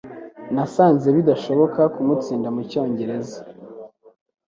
Nasanze bidashoboka kumutsinda mucyongereza.